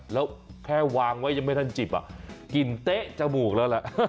แล้วแค่วางไว้ยังไม่ทันจิบกลิ่นเต๊ะจมูกแล้วแหละ